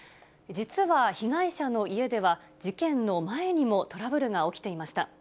実は被害者の家では、事件の前にもトラブルが起きていました。